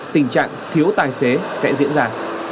tình trạng thiếu tài xế sẽ diễn ra